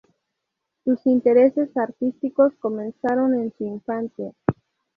Sus intereses artísticos comenzaron en su infancia.